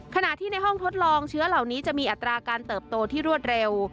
ขณะที่ในห้องทดลองเชื้อเหล่านี้จะมีอัตราการเติบโตที่รวดเร็ว